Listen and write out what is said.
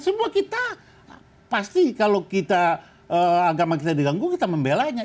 semua kita pasti kalau kita agama kita diganggu kita membelanya